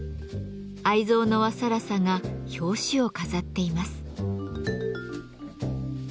愛蔵の和更紗が表紙を飾っています。